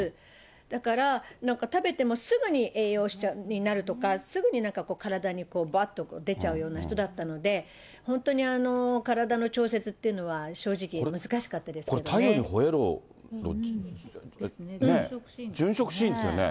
だから、なんか食べてもすぐに栄養になるとか、すぐに体にばっとこう出ちゃうような人だったので、本当に体の調節っていうのは、正直、これ、太陽にほえろ！のねえ、殉職シーンですよね。